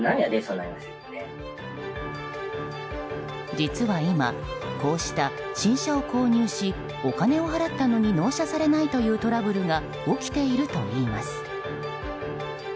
実は今、こうした新車を購入しお金を払ったのに納車されないというトラブルが起きているといいます。